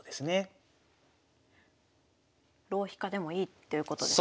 浪費家でもいいっていうことですか？